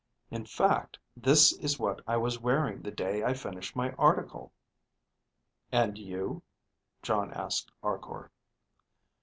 In fact this is what I was wearing the day I finished my article." "And you?" Jon asked Arkor.